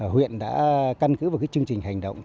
huyện đã căn cứ vào chương trình hành động